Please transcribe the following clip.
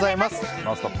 「ノンストップ！」